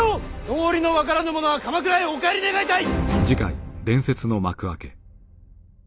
道理の分からぬ者は鎌倉へお帰り願いたい！